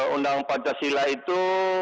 undang pancasila itu